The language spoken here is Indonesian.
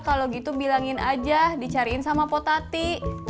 kalau gitu bilangin aja dicariin sama po tati